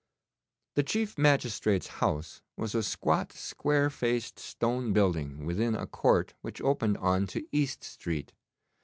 The chief magistrate's house was a squat square faced stone building within a court which opened on to East Street.